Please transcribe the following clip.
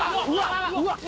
うわっ